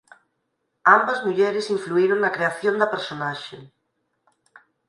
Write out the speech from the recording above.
Ambas mulleres influíron na creación da personaxe.